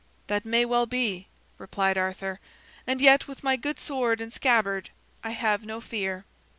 "That may well be," replied Arthur, "and yet with my good sword and scabbard, I have no fear."